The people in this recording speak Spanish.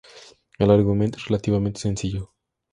El argumento es relativamente sencillo.